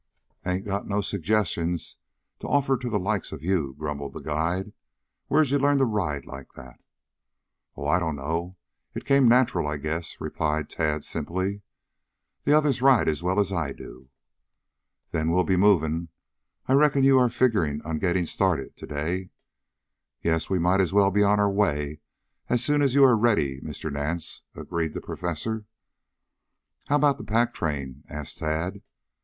"Hain't got no suggestions to offer to the likes of you," grumbled the guide. "Where'd you learn to ride like that?" "Oh, I don't know. It came natural, I guess," replied Tad simply. "The others ride as well as I do." "Then we'll be moving. I reckon you are figgering on gitting started to day?" "Yes, we might as well be on our way as soon as you are ready, Mr. Nance," agreed the Professor. "How about the pack train?" asked Tad.